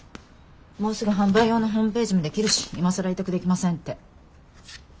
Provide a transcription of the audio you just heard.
もうすぐ販売用のホームページも出来るし今更委託できませんって。